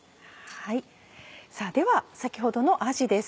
では先ほどのあじです。